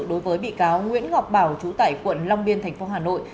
đối với bị cáo nguyễn ngọc bảo chú tải quận long biên tp hà nội